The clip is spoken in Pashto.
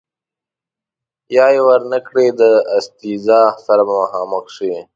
یا یې ور نه کړي د استیضاح سره به مخامخ شي.